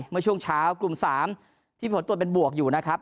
เมื่อช่วงเช้ากลุ่ม๓ที่ผลตรวจเป็นบวกอยู่นะครับ